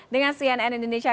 dengan cnn indonesia